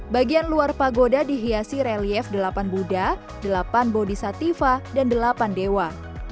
bagian luar pagoda dihiasi relief delapan buddha delapan bodi satifah dan delapan dewa